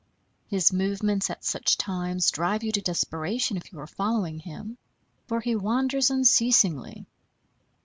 His movements at such times drive you to desperation, if you are following him; for he wanders unceasingly.